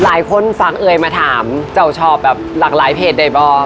หลายคนฟังเอ่ยมาถามเจ้าชอบแบบหลากหลายเพจได้บอก